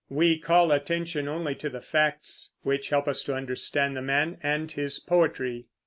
We call attention only to the facts which help us to understand the man and his poetry.